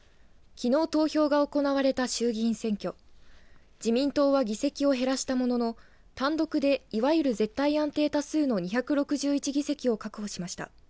きのう投票が行われた衆議院選挙自民党は議席を減らしたものの単独で、いわゆる絶対安定多数の２６１議席を確保しました。